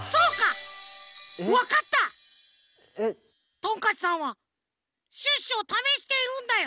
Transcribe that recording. トンカチさんはシュッシュをためしているんだよ。